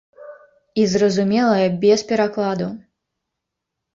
І зразумелая без перакладу.